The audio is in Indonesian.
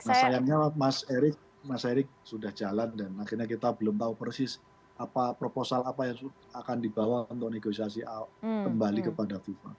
nah sayangnya mas erick sudah jalan dan akhirnya kita belum tahu persis apa proposal apa yang akan dibawa untuk negosiasi kembali kepada fifa